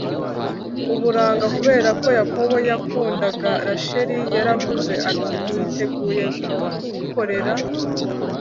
Uburanga kubera ko yakobo yakundaga rasheli yaravuze ati niteguye kugukorera